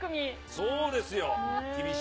そうですよ。